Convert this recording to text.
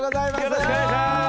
よろしくお願いします！